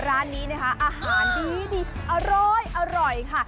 ร้านนี้นะคะอาหารดีอร้อยค่ะ